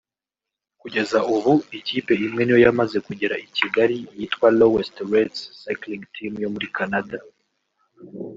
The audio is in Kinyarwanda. Kugeza ubu ikipe imwe niyo yamaze kugera i Kigali yitwa Lowest Rates Cycling Team yo muri Canada